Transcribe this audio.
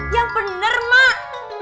yang bener mak